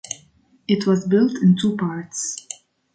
It was built in two parts.